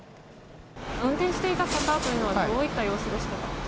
運転していた方というのは、どういった様子でしたか。